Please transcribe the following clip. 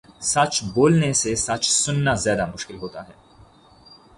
سچ بولنے سے سچ سنا زیادہ مشکل ہوتا ہے